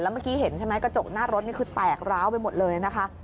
เมื่อกี้เห็นใช่ไหมกระจกหน้ารถนี่คือแตกร้าวไปหมดเลยนะคะ